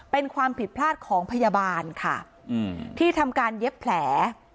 เป็นความผิดพลาดของพยาบาลค่ะที่ทำการเย็บแผล